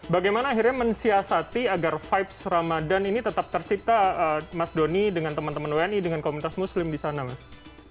bagaimana akhirnya mensiasati agar vibes ramadhan ini tetap tercipta mas doni dengan teman teman wni dengan komunitas muslim di sana mas